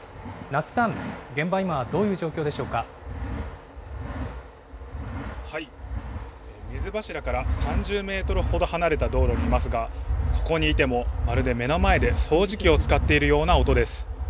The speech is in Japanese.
奈須さん、現場は今、どういう状水柱から３０メートルほど離れた道路にいますが、ここにいても、まるで目の前で掃除機を使っているような音です。